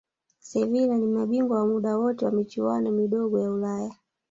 sevila ni mabingwa wa muda wote wa michuano midogo ya ulaya